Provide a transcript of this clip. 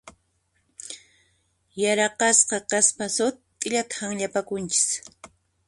Yaraqasqa kaspaqa sut'illata hanllapakunchis.